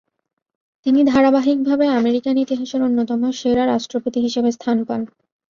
তিনি ধারাবাহিকভাবে আমেরিকান ইতিহাসের অন্যতম সেরা রাষ্ট্রপতি হিসাবে স্থান পান।